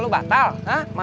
oh ada dia